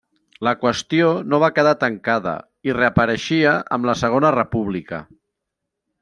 La qüestió no va quedar tancada i reapareixia amb la segona República.